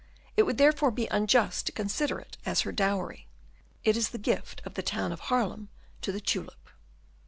It would therefore be unjust to consider it as her dowry; it is the gift of the town of Haarlem to the tulip."